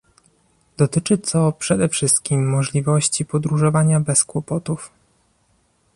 Dotyczy to przede wszystkim możliwości podróżowania bez kłopotów